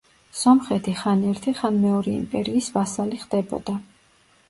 სომხეთი ხან ერთი ხან მეორე იმპერიის ვასალი ხდებოდა.